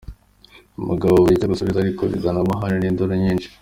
Umugabo abura icyo asubiza ariko bizana amahane n’induru nyinshi.